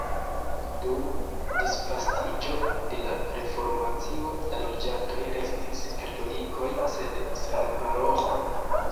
Dum disvastiĝo de la reformacio la loĝantoj restis katolikoj sed sen paroĥo.